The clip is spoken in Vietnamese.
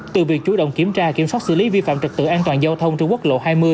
từ việc chú động kiểm tra kiểm soát xử lý vi phạm trật tự an toàn giao thông trên quốc lộ hai mươi